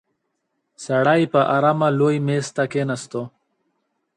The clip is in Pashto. سړی په آرامه لوی مېز ته کېناست.